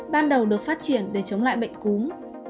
ban đầu được phát triển để chống lại bệnh cúm